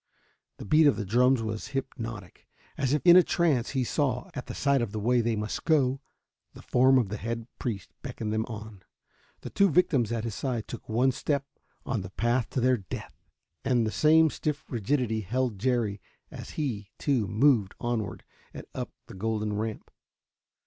The beat of the drums was hypnotic. As if in a trance he saw, at the side of the way they must go, the form of the head priest beckon them on. The two victims at his side took one step on the path to their death. And the same stiff rigidity held Jerry as he, too, moved onward and up the golden ramp.